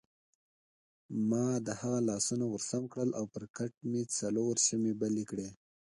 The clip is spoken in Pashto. ما د هغه لاسونه ورسم کړل او پر کټ مې څلور شمعې بلې کړې.